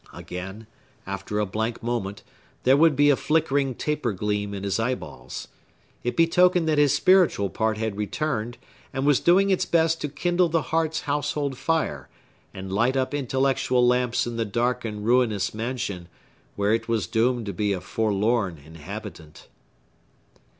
Again, after a blank moment, there would be a flickering taper gleam in his eyeballs. It betokened that his spiritual part had returned, and was doing its best to kindle the heart's household fire, and light up intellectual lamps in the dark and ruinous mansion, where it was doomed to be a forlorn inhabitant.